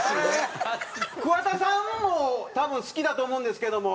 桑田さんも多分好きだと思うんですけども。